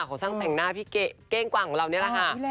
ของช่างแต่งหน้าพี่เก้งกว่างของเรานี่แหละค่ะ